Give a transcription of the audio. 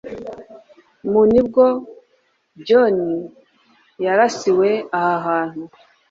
Mu ni bwo John yarasiwe aha hantu